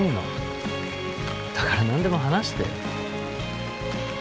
だから何でも話して。